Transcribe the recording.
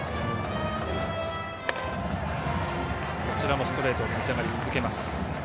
こちらもストレート立ち上がり、続けます。